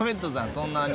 そんなに？